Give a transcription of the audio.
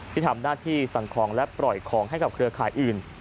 ที่ทำหน้าที่สั่งของและปล่อยของให้กับเครือข่ายอื่น